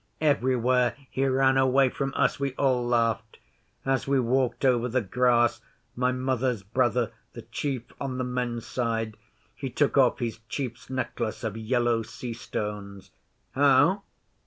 Everywhere he ran away from us. We all laughed. As we walked over the grass my Mother's brother the Chief on the Men's Side he took off his Chief's necklace of yellow sea stones.' 'How?